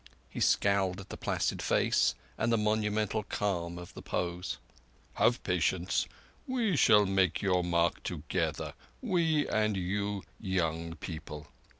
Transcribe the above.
He scowled at the placid face, and the monumental calm of the pose. "Have patience. We shall make your mark together—we and you young people.